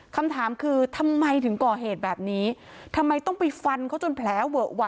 คำถามคือทำไมถึงก่อเหตุแบบนี้ทำไมต้องไปฟันเขาจนแผลเวอะวะ